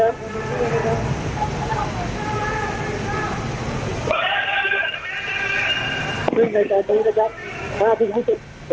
นะครับสี่สิบนาทีกว่านะครับสี่สิบนาทีกว่าสี่สิบนาทีกว่า